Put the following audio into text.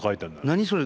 何それ？